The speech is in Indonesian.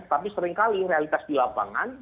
tapi seringkali realitas di lapangan